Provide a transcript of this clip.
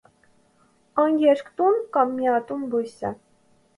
Այն երկտուն կամ միատուն բույս է։